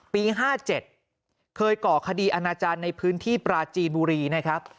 ปี๕๗เคยก่อคดีอาณาจารย์ในพื้นที่ปราจีนบุรีนะครับ